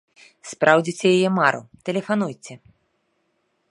Спраўдзіце яе мару, тэлефануйце!